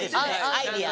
アイデア。